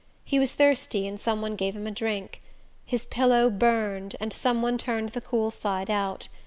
He was thirsty and some one gave him a drink. His pillow burned, and some one turned the cool side out.